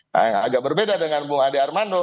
jadi agak berbeda dengan bung ade armando